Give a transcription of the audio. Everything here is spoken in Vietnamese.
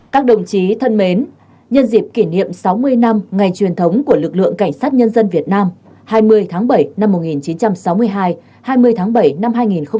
các đồng chí thân mến nhân dịp kỷ niệm sáu mươi năm ngày truyền thống của lực lượng cảnh sát nhân dân việt nam hai mươi tháng bảy năm một nghìn chín trăm sáu mươi hai hai mươi tháng bảy năm hai nghìn hai mươi